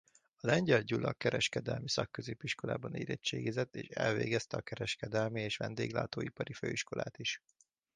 A Lengyel Gyula Kereskedelmi Szakközépiskolában érettségizett és elvégezte a Kereskedelmi és Vendéglátóipari Főiskolát is.